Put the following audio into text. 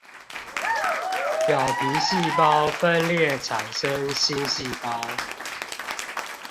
表皮細胞分裂產生新細胞